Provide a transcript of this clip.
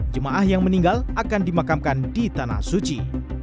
jemaah yang meninggal akan dimakamkan di tanah suci